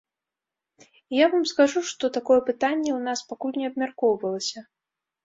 І я вам скажу, што такое пытанне у нас пакуль не абмяркоўвалася.